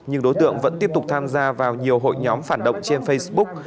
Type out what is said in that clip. nhưng đối tượng vẫn tiếp tục tham gia vào nhiều hội nhóm phản động trên facebook